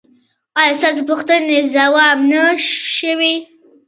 ایا ستاسو پوښتنې ځواب نه شوې؟